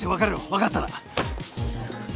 分かったな！